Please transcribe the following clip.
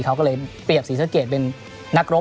เขาก็เลยเปรียบศรีสะเกดเป็นนักรบ